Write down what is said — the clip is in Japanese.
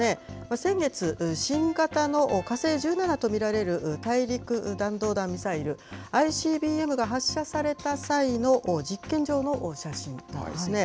先月、新型の火星１７と見られる大陸弾道弾ミサイル・ＩＣＢＭが発射された際の実験場の写真なんですね。